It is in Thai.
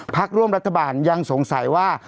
พักร่วมรัฐบาลยังสงสัยว่า